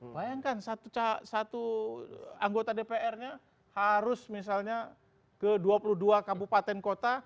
bayangkan satu anggota dpr nya harus misalnya ke dua puluh dua kabupaten kota